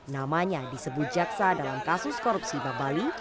namanya disebut jaksa dalam kasus korupsi bank bali